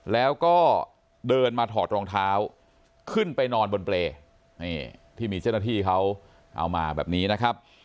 แล้วก็เดินมาถอดรองเท้าขึ้นไปนอนบนเปรย์ที่มีเจ้าหน้าที่เขาเอามาแบบนี้นะครับ